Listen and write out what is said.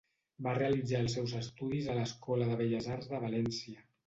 Va realitzar els seus estudis a l'Escola de Belles Arts de València.